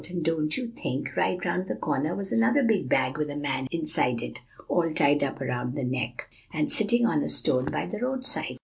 and, don't you think, right around the corner was another big bag with a man inside it, all tied up around the neck, and sitting on a stone by the roadside.